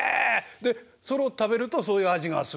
でそれを食べるとそういう味がする？